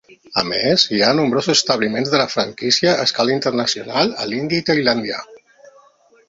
A més, hi ha nombrosos establiments de la franquícia a escala internacional a l'Índia i Tailàndia.